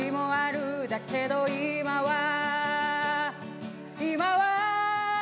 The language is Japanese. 「だけど今は今は」